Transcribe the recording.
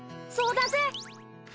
そうだす！